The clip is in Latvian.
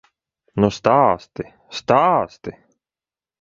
Nu stāsti, stāsti!